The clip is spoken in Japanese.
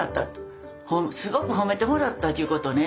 すごく褒めてもらったっちゅうことをね